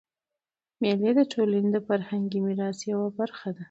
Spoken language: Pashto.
مېلې د ټولني د فرهنګي میراث یوه برخه ده.